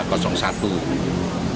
yang berada di pulau serasa